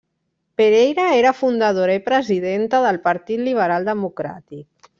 Pereira era fundadora i presidenta del Partit Liberal Democràtic.